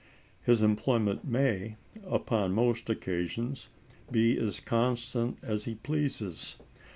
His employment may, upon most occasions, be as constant as he pleases.